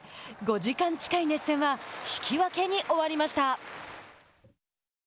５時間近い熱戦は引き分けに終わりました。